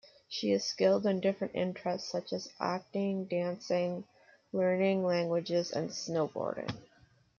She is skilled in different interests such as acting, dancing, learning languages, and snowboarding.